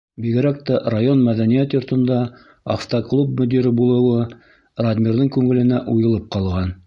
Бигерәк тә район мәҙәниәт йортонда автоклуб мөдире булыуы Радмирҙың күңеленә уйылып ҡалған.